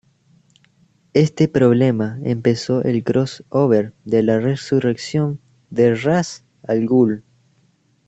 Este problema empezó el crossover de la resurrección de Ra's al Ghul.